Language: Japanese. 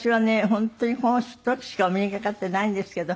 本当にこの時しかお目にかかっていないんですけど。